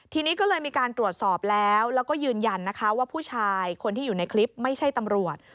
ทีนี้ก็เลยมีการตรวจสอบแล้วแล้วก็ยืนยันนะคะว่าผู้ชายคนที่อยู่ในคลิปไม่ใช่ตำรวจ